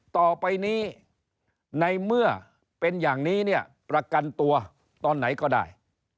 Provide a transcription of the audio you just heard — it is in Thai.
ต่อไปนี้ในเมื่อเป็นอย่างนี้เนี่ยประกันตัวตอนไหนก็ได้